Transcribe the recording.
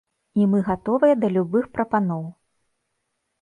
І мы гатовыя да любых прапаноў.